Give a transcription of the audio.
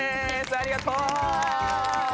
ありがとう！